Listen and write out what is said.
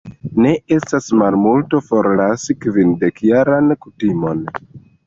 Ne estas malmulto, forlasi kvindekjaran kutimon.